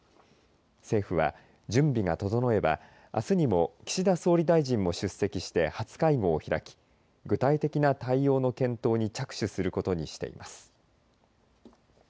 政府は準備が整えばあすにも岸田総理大臣が出席して初会合を開き具体的な対応の検討に着手することにしています。